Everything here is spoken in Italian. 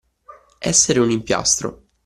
Essere un impiastro.